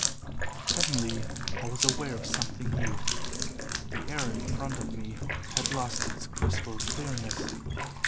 "Suddenly I was aware of something new. The air in front of me had lost its crystal clearness.